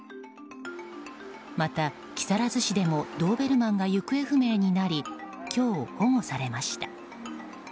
また、木更津市でもドーベルマンが行方不明になり今日、保護されました。